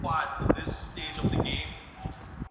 که ستاينه ونه سي دوی به ښه احساس ونلري.